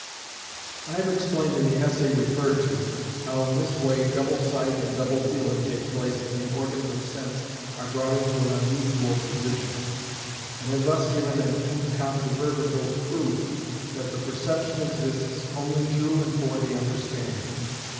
I have explained in the essay referred to, how in this way double sight and double feeling take place if the organs of sense are brought into an unusual position; and have thus given an incontrovertible proof that perception exists only through and for the understanding.